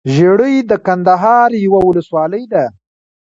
ژړۍ دکندهار يٶه ولسوالې ده